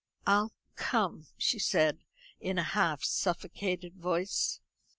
"I'll come," she said in a half suffocated voice.